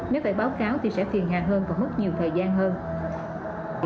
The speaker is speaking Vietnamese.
nếu phải báo cáo thì sẽ phiền hà hơn và mất nhiều thời gian hơn